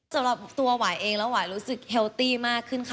สำหรับตัวหวายเองแล้วหวายรู้สึกเฮลตี้มากขึ้นค่ะ